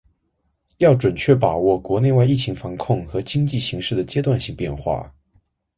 要准确把握国内外疫情防控和经济形势的阶段性变化